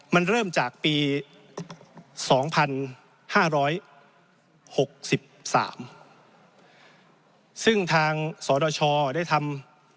มันเริ่มจากปีสองพันห้าร้อยหกสิบสามซึ่งทางสรดชอได้ทำ